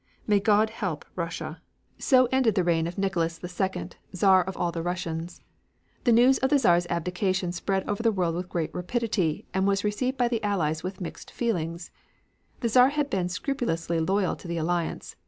May God help Russia. So ended the reign of Nicholas the Second, Czar of all the Russias. The news of the Czar's abdication spread over the world with great rapidity, and was received by the Allies with mixed feelings. The Czar had been scrupulously loyal to the alliance.